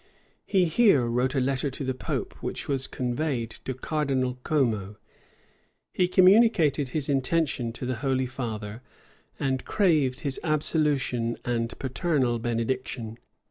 He here wrote a letter to the pope, which was conveyed to Cardinal Como; he communicated his intention to the holy father, and craved his absolution and paternal benediction.